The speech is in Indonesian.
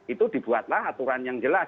itu dibuatlah aturan yang jelas